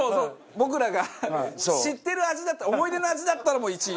僕らが知ってる味だったら思い出の味だったらもう１位。